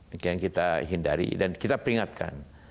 itu yang kita hindari dan kita peringatkan